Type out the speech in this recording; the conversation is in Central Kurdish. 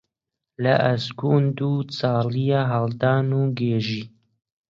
لە ئەسکوند و چاڵایە هەڵدان و گێژی